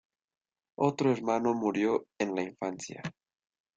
Otro hermano murió en la infancia.